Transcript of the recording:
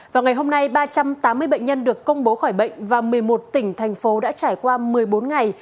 vào ngày hôm nay ba trăm tám mươi bệnh nhân được công bố khỏi bệnh và một mươi một tỉnh thành phố đã trải qua một mươi bốn ngày